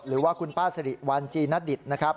หรือว่าคุณป้าสิริวัลจีนณดิตนะครับ